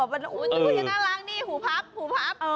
มันน่ารักนี่หูพับหูพับ